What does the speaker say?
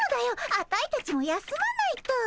アタイたちも休まないと。